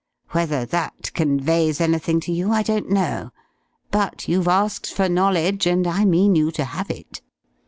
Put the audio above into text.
Whether that conveys anything to you I don't know. But you've asked for knowledge and I mean you to have it."